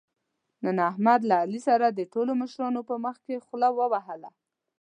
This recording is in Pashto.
نن احمد له علي سره د ټولو مشرانو په مخکې خوله ووهله.